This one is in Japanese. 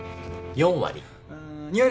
４割。